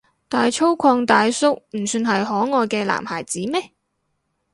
但係粗獷大叔唔算係可愛嘅男孩子咩？